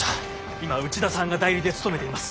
今内田さんが代理で務めています。